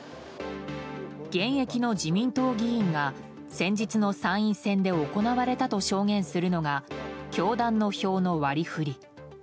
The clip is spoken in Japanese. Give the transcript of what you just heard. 現役の自民党議員が先日の参院選で行われたと証言するのが教団の票の割り振り。